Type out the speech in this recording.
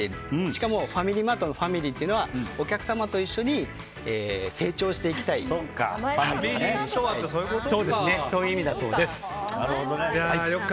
しかもファミリーマートの「ファミリー」というのはお客様と一緒に成長していきたいとそういう意味だそうです。